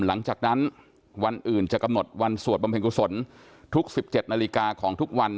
หลังจากนั้นวันอื่นจะกำหนดวันสวดบำเพ็ญกุศลทุก๑๗นาฬิกาของทุกวัน